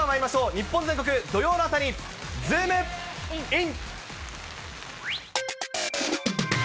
日本全国、土曜の朝にズームイン！！